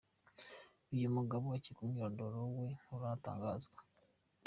Uyu mugabo ucyekwa, umwirondoro we nturatangazwa.